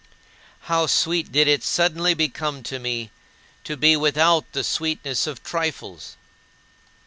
How sweet did it suddenly become to me to be without the sweetness of trifles!